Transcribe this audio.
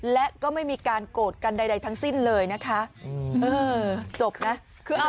และก็ไม่มีการโกรธกันใดทั้งสิ้นเลยนะคะ